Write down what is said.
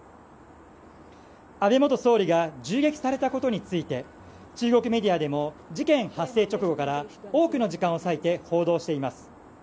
安倍元総理が銃撃されたことについて中国メディアでも事件発生直後から多くの時間を割いて報道しています。